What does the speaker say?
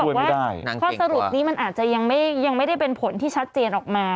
แต่ว่าข้อสรุปนี้มันอาจจะยังไม่ได้เป็นผลที่ชัดเจนออกมา